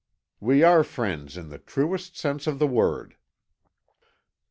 "We are friends in the truest sense of the word."